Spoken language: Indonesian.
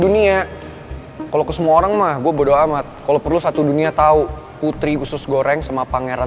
namanya aja putri untuk pangeran